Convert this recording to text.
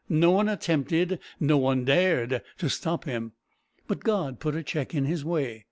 No one attempted, no one dared, to stop him, but God put a check in his way.